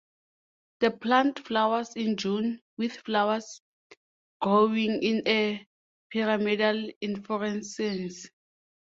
The plant flowers in June, with flowers growing in a pyramidal inflorescence.